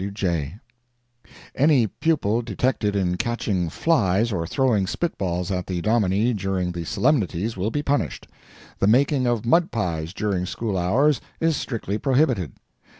W. J. Any pupil detected in catching flies or throwing spit balls at the Dominie during the solemnities will be punished. The making of mud pies during school hours is strictly prohibited.